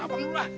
ya apaan dulu lah